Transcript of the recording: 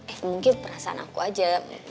eh mungkin perasaan aku aja